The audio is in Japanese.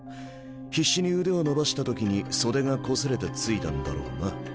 必死に腕を伸ばしたときに袖がこすれて付いたんだろうな。